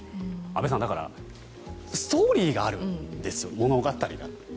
安部さんストーリーがあるんですよ。